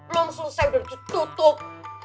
langsung save dan tutup